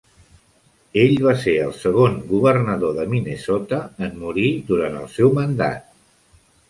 Ell va ser el segon governador de Minnesota en morir durant el seu mandat.